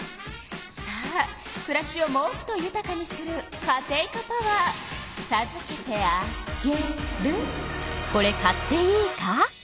さあくらしをもっとゆたかにするカテイカパワーさずけてあげる。